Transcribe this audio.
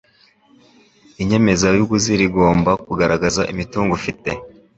inyemezabuguzi rigomba kugaragaza imitungo ufite